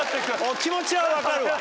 気持ちは分かるわ。